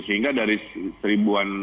sehingga dari seribuan